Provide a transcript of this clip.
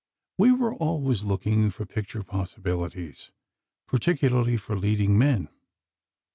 We were always looking for picture possibilities—particularly for leading men.